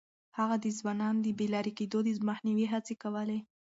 هغه د ځوانانو د بې لارې کېدو د مخنيوي هڅې کولې.